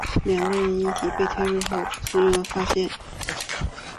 两人的遗体被稍后进入地堡检查的苏军士兵发现。